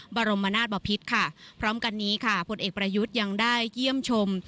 บรมนาศบพิษค่ะพร้อมกันนี้ค่ะผลเอกประยุทธ์ยังได้เยี่ยมชม